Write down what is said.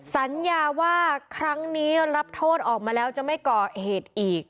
สัญญาว่าครั้งนี้รับโทษออกมาแล้วจะไม่ก่อเหตุอีก